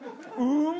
うん！